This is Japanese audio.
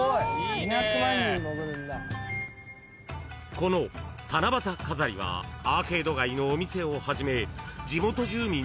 ［この七夕飾りはアーケード街のお店をはじめ］